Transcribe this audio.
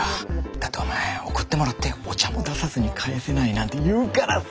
だってお前「送ってもらってお茶も出さずに帰せない」なんて言うからさ。